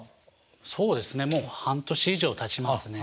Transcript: そうですねもう半年以上たちますね。